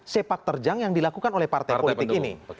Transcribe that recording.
sepak terjang yang dilakukan oleh partai politik ini